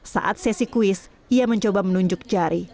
saat sesi kuis ia mencoba menunjuk jari